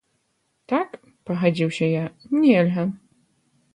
Так, пагадзіўся я, нельга.